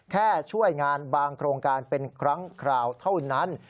ช่วยงานบางโครงการเป็นครั้งคราวเท่านั้น